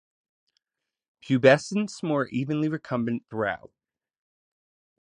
Pubescence more evenly recumbent throughout.